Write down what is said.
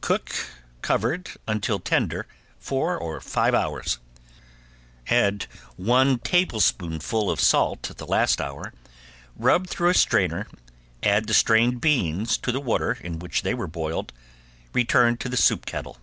Cook, covered, until tender, four or five hours, add one tablespoonful of salt the last hour, rub through a strainer, add the strained beans to the water in which they were boiled, return to the soup kettle.